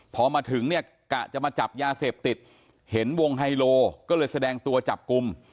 พอมาถึงเนี่ยกะจะมาจับยาเสพติดเห็นวงไฮโลก็เลยแสดงตัวจับกลุ่ม